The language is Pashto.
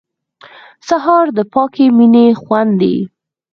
سهار د پاکې مینې خوند دی.